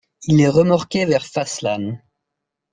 Il est remorqué vers Faslane.